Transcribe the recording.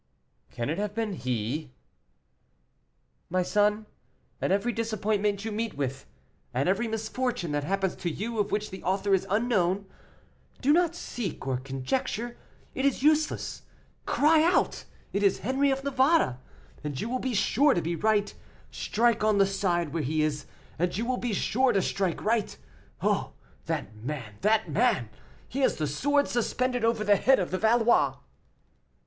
"Can it have been he?" "My son, at every disappointment you meet with, at every misfortune that happens to you of which the author is unknown, do not seek or conjecture; it is useless. Cry out, it is Henri of Navarre, and you will be sure to be right. Strike on the side where he is, and you will be sure to strike right. Oh! that man, that man; he is the sword suspended over the head of the Valois."